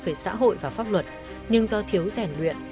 về xã hội và pháp luật nhưng do thiếu rèn luyện